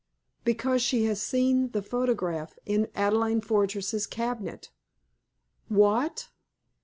"Because she has seen the photograph, in Adelaide Fortress's cabinet." "What!"